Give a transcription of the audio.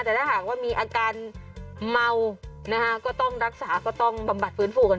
แต่ถ้าหากว่ามีอาการเมานะฮะก็ต้องรักษาก็ต้องบำบัดฟื้นฟูกัน